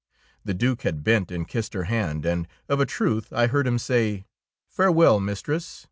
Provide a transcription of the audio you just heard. The Due had bent and kissed her hand, and of a truth I heard him say, —" Farewell, mistress.